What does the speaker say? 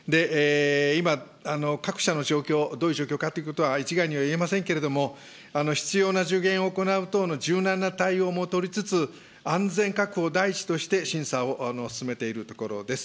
今、各社の状況、どういう状況かということは一概には言えませんけれども、必要な助言を行う等の柔軟な対応も取りつつ、安全確保第一として審査を進めているところです。